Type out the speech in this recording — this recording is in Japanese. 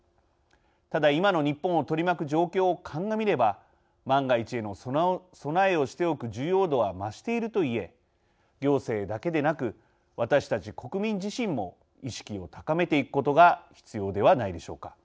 ただ今の日本を取り巻く状況を鑑みれば、万が一への備えをしておく重要度は増していると言え行政だけでなく私たち国民自身も意識を高めていくことが必要ではないでしょうか。